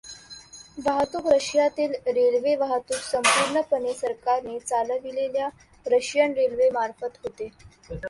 वाहतूक रशियातील रेल्वेवाहतुक संपूर्णपणे सरकारने चालविलेल्या रशियन रेल्वे मार्फत होते.